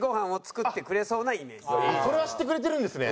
それは知ってくれてるんですね。